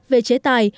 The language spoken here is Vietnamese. về chế tài